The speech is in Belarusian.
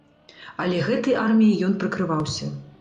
Але гэтай арміяй ён прыкрываўся.